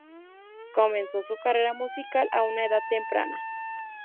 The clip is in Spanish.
Comenzó su carrera musical a una edad temprana.